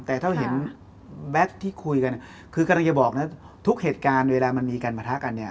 แต่ถ้าเห็นแม็กซ์ที่คุยกันคือกำลังจะบอกนะทุกเหตุการณ์เวลามันมีการประทะกันเนี่ย